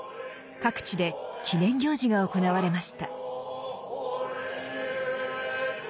各地で記念行事が行われました。